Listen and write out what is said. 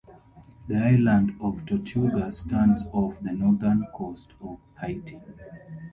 The island of Tortuga stands off the northern coast of Haiti.